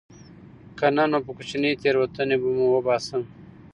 که نه نو په کوچنۍ تېروتنې به مو وباسم